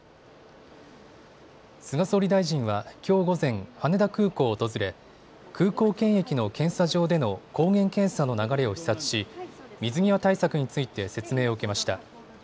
菅総理大臣はきょう午前、羽田空港を訪れ空港検疫の検査場での抗原検査の流れを視察し水際対策について説明を受けました。